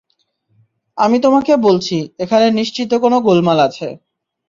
আমি তোমাকে বলছি, এখানো নিশ্চিত কোন গোলমাল আছে।